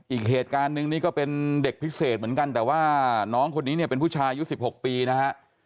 อีกเหตุการณ์นึงนี่ก็เป็นเด็กพิเศษเหมือนกันแต่ว่าน้องคนนี้เนี่ยเป็นผู้ชายอายุ๑๖ปีนะฮะ